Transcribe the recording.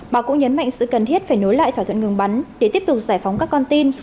bà cũng nhấn mạnh sự cần thiết phải nối lại thỏa thuận ngừng bắn để tiếp tục giải phóng các con tin